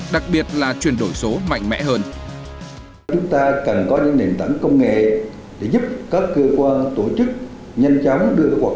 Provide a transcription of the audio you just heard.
đặc biệt là các nước đất nước